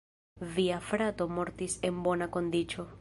Via frato mortis en bona kondiĉo.